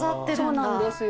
そうなんですよ。